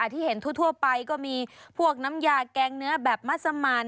ที่เห็นทั่วไปก็มีพวกน้ำยาแกงเนื้อแบบมัสมัน